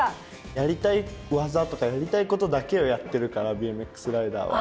やりたい技とかやりたいことだけをやってるからＢＭＸライダーは。